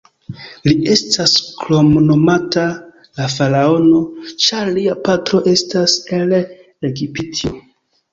Li estas kromnomata "la faraono", ĉar lia patro estas el Egiptio.